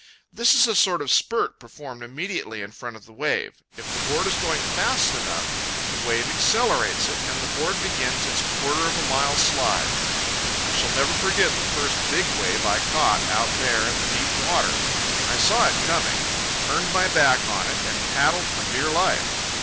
This is a sort of spurt performed immediately in front of the wave. If the board is going fast enough, the wave accelerates it, and the board begins its quarter of a mile slide. I shall never forget the first big wave I caught out there in the deep water. I saw it coming, turned my back on it and paddled for dear life.